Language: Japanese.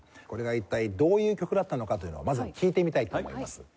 これが一体どういう曲だったのかというのをまず聴いてみたいと思います。